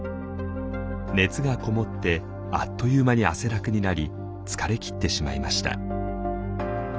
熱が籠もってあっという間に汗だくになり疲れきってしまいました。